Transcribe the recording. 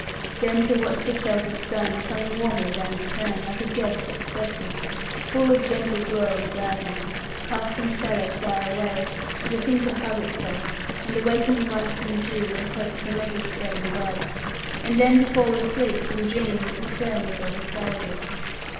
Then to watch the sheltered sun, coming warmly round the turn, like a guest expected, full of gentle glow and gladness, casting shadow far away as a thing to hug itself, and awakening life from dew, and hope from every spreading bud. And then to fall asleep and dream that the fern was all asparagus.